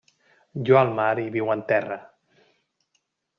Lloa el mar i viu en terra.